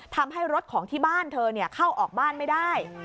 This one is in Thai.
ทำให้รถของที่บ้านเธอเข้าออกบ้านไม่ได้